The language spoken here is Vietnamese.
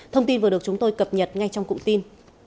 thông tin vừa được chúng tôi cập nhật ngay trong cụm tin